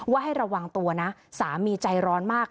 ให้ระวังตัวนะสามีใจร้อนมาก